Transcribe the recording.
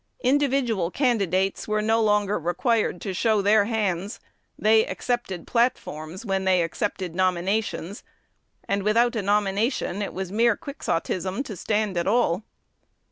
Individual candidates were no longer required to "show their hands:" they accepted "platforms" when they accepted nominations; and without a nomination it was mere quixotism to stand at all.